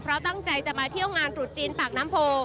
เพราะตั้งใจจะมาเที่ยวงานตรุษจีนปากน้ำโพ